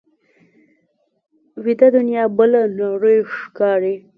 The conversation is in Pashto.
ویده دنیا بله نړۍ ښکاري